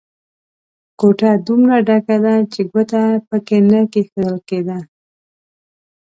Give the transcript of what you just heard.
کوټه دومره ډکه ده چې ګوته په کې نه کېښول کېده.